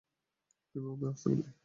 কীভাবে ব্যবস্থা করলি?